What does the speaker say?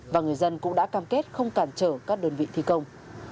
và người dân cũng đã cam kết không cản trở các đơn vị thi công